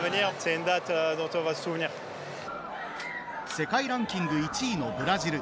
世界ランキング１位のブラジル。